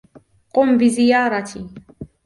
قم بزيارتي